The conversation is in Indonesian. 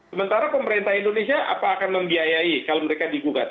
sementara pemerintah indonesia apa akan membiayai kalau mereka digugat